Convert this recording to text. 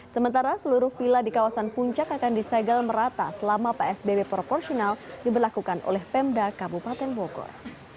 sementara seluruh vila di kawasan puncak akan disegel merata selama psbb proporsional diberlakukan oleh pemda kabupaten bogor